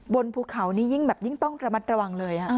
บนเขานี้ยิ่งต้องระมัดระวังเลย